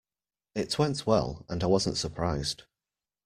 It went well, and I wasn't surprised.